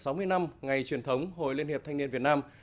lễ kỷ niệm sáu mươi năm ngày truyền thống hội liên hiệp thanh niên việt nam